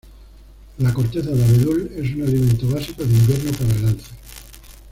La corteza de abedul es un alimento básico de invierno para el alce.